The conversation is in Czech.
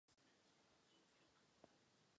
Do Prahy se vrátil v první polovině devadesátých let.